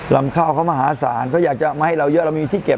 รำข้าวมาศาลก็จะมาให้เราเยอะมีที่เก็บ